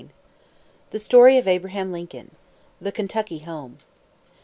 ] THE STORY OF ABRAHAM LINCOLN. I. THE KENTUCKY HOME.